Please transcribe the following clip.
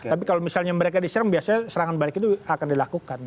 tapi kalau misalnya mereka diserang biasanya serangan balik itu akan dilakukan